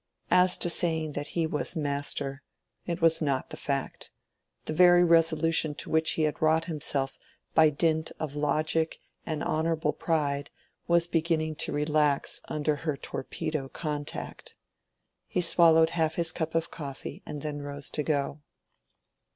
As to saying that he was master, it was not the fact. The very resolution to which he had wrought himself by dint of logic and honorable pride was beginning to relax under her torpedo contact. He swallowed half his cup of coffee, and then rose to go.